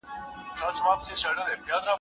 او دا دی